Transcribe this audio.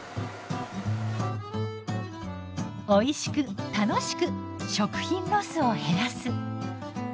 おいしく楽しく食品ロスを減らす。